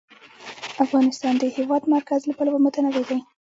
افغانستان د د هېواد مرکز له پلوه متنوع دی.